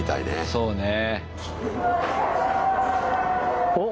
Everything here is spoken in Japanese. そうね。